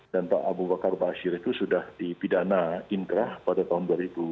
dan pak abu bakar basir itu sudah dipidana indera pada tahun dua ribu sebelas